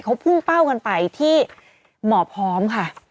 เขาพุ่งเป้ากันไปที่หมอพร้อมค่ะ